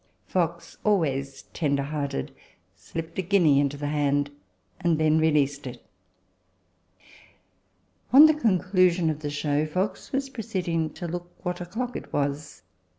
Fox, always tender hearted, slipped a guinea into the hand, and then released it. On the conclusion of the show, Fox was proceeding to look what o'clock it was.